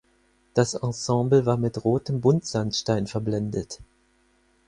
Das Ensemble war mit rotem Buntsandstein verblendet.